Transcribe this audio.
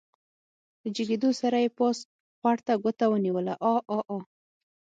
له جګېدو سره يې پاس خوړ ته ګوته ونيوله عاعاعا.